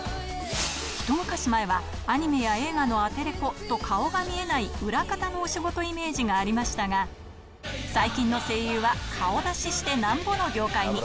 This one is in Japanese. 一昔前は、アニメや映画のアテレコと、顔が見えない裏方のお仕事イメージがありましたが、最近の声優は、顔出ししてなんぼの業界に。